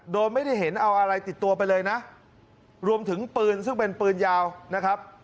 โดยไม่ได้เห็นเอาอะไรติดตัวไปเลยนะรวมถึงปืนซึ่งเป็นปืนยาวนะครับ